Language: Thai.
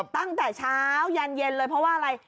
ตั้งแต่เช้ายันเย็นเลยเพราะว่าอะไร